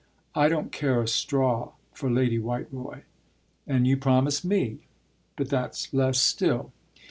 "I don't care a straw for Lady Whiteroy." "And you promised me. But that's less still."